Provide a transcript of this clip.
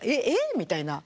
みたいな。